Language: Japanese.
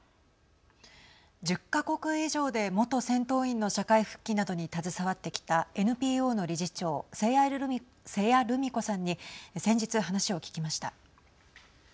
１０か国以上で元戦闘員の社会復帰などに携わってきたＮＰＯの理事長瀬谷ルミ子さんに先日、話を聞きました。